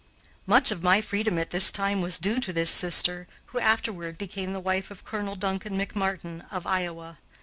Much of my freedom at this time was due to this sister, who afterward became the wife of Colonel Duncan McMartin of Iowa.